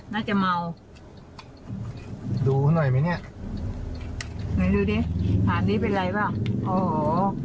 น่าจะเมาดูหน่อยไหมเนี้ยไหนดูดิหานนี้เป็นไรป่ะโอ้โห